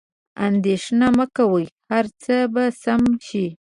اندیښنه مه کوئ، هر څه به سم شي.